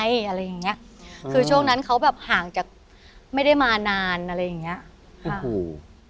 อะไรอะไรอย่างเงี้ยคือช่วงนั้นเขาแบบห่างจากไม่ได้มานานอะไรอย่างเงี้ยโอ้โห